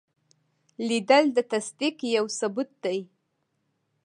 لیدل د تصدیق یو ثبوت دی